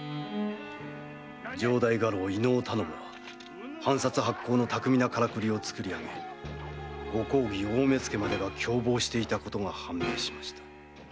「城代家老・飯尾頼母は藩札発行の巧みなカラクリをつくり上げご公儀大目付までが共謀していたことが判明しました」